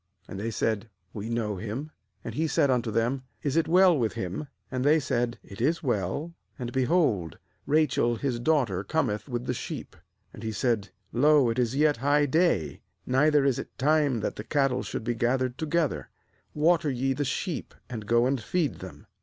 And they said: 'We know him.' 6And he said unto them: 'Is it well with him?' And they said: 'It is well; and, be hold, Rachel his daughter cometh with the sheep.' 7Andhesaid: 'Lo, it is yet high day, neither is it time that the cattle should be gathered together; water ye the sheep, and go and feed them.'